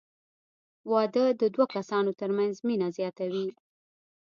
• واده د دوه کسانو تر منځ مینه زیاتوي.